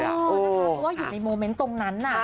อ๋อนะคะเพราะว่าอยู่ในโมเม้นต์ตรงนั้นน่ะ